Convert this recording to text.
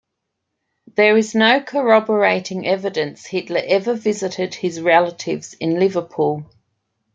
There is no corroborating evidence Hitler ever visited his relatives in Liverpool.